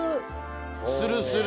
するする。